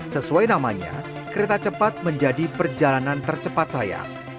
sesuai namanya kereta cepat menjadi perjalanan tercepat saya